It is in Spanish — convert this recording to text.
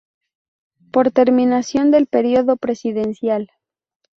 Por terminación del período presidencial.